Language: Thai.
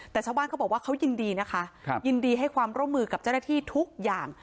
แต่ชาวบ้านเขาบอกว่าเขายินดีนะคะยินดีให้ความร่วมมือกับเจ้าหน้าที่ทุกอย่าง